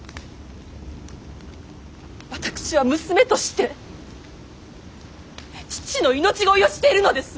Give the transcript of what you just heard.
私は娘として父の命乞いをしているのです。